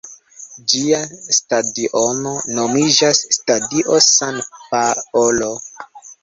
Ĝia stadiono nomiĝas "Stadio San Paolo".